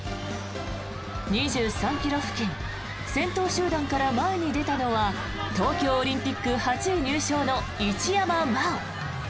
２３ｋｍ付近先頭集団から前に出たのは東京オリンピック８位入賞の一山麻緒。